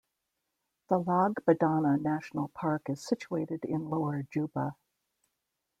The Lag Badana National Park is situated in Lower Juba.